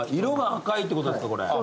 色が赤いってことですかこれ。